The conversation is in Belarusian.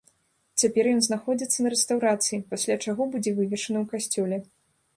Цяпер ён знаходзіцца на рэстаўрацыі, пасля чаго будзе вывешаны ў касцёле.